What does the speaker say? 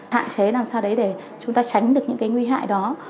hạn chế làm sao đấy để chúng ta tránh được những cái nguy hại đó